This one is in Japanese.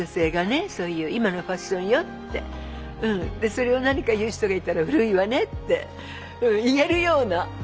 それを何か言う人がいたら古いわねって言えるような。